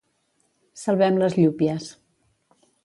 Salvem les llúpies